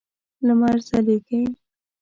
لمر ځلیږی